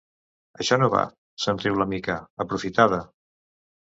Això no val! —se'n riu la Mica— Aprofitada!